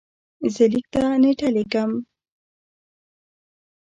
زه لیک ته نېټه لیکم.